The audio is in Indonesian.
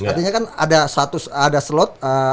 artinya kan ada slot